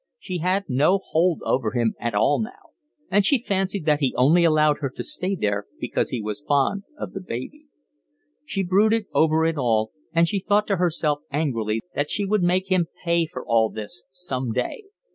She had no hold over him at all now, and she fancied that he only allowed her to stay there because he was fond of the baby. She brooded over it all, and she thought to herself angrily that she would make him pay for all this some day.